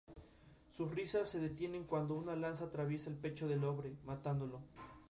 Sus risas se detienen cuando una lanza atraviesa el pecho del hombre, matándolo.